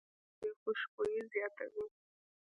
هندوانه د خولې خوشبويي زیاتوي.